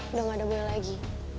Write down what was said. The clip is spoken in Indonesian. udah gak ada buaya lagi